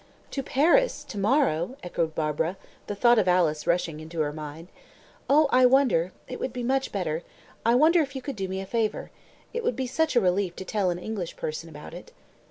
"To Paris! To morrow!" echoed Barbara, the thought of Alice rushing into her mind. "Oh, I wonder it would be much better I wonder if you could do me a favour? It would be such a relief to tell an English person about it."